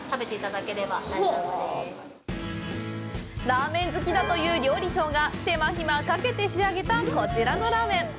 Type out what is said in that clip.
ラーメン好きだという料理長が手間暇かけて仕上げたこちらのラーメン。